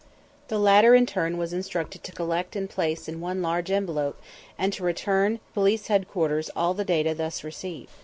The latter in turn was instructed to collect and place in one large envelope and to return to Police Headquarters all the data thus received.